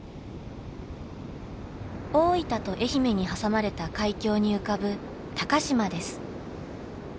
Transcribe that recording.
大分と愛媛に挟まれた海峡に浮かぶ高島です。